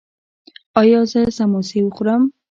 ایا زه سموسې وخورم؟